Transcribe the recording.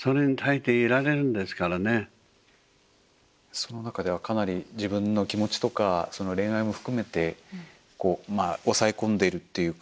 その中で自分の気持ちとか恋愛も含めてまあ抑え込んでいるというか。